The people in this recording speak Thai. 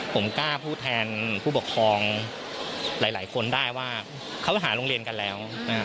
ผมกล้าผู้แทนผู้บัคคลองหลายคนได้ว่าเขาหาโรงเรียนกันแล้ว